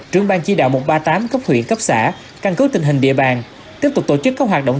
trưởng ban chỉ đạo một trăm ba mươi tám cấp huyện cấp xã căn cứ tình hình địa bàn tiếp tục tổ chức các hoạt động